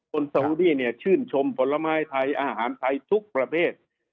คนซาวุดีเนี่ยชื่นชมปลมารยไทยอาหารไทยทุกประเภท